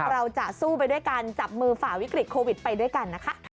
เราจะสู้ไปด้วยการจับมือฝ่าวิกฤตโควิดไปด้วยกันนะคะ